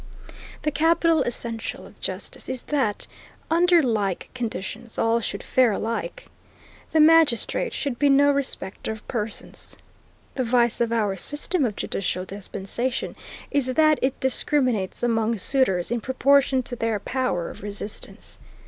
The capital essential of justice is that, under like conditions, all should fare alike. The magistrate should be no respecter of persons. The vice of our system of judicial dispensation is that it discriminates among suitors in proportion to their power of resistance.